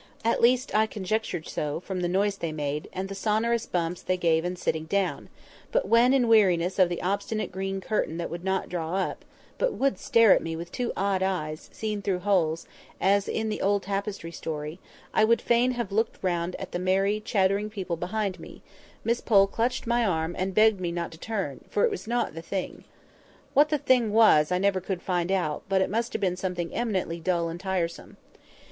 At least I conjectured so, from the noise they made, and the sonorous bumps they gave in sitting down; but when, in weariness of the obstinate green curtain that would not draw up, but would stare at me with two odd eyes, seen through holes, as in the old tapestry story, I would fain have looked round at the merry chattering people behind me, Miss Pole clutched my arm, and begged me not to turn, for "it was not the thing." What "the thing" was, I never could find out, but it must have been something eminently dull and tiresome.